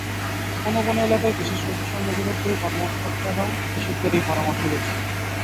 কোনো কোনো এলাকায় কৃষি সম্প্রসারণ অধিদপ্তরের কর্মকর্তারাও কৃষকদের একই পরামর্শ দিচ্ছেন।